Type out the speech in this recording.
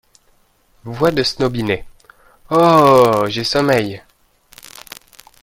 Voix de Snobinet. — Oh !… j’ai sommeil.